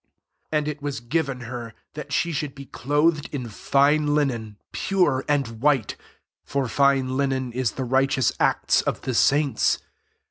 8 And it was given her, that she should be clothed in fine linen, pure and white : (for fine linen is the righteous acts of the saints.)